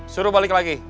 suruh balik lagi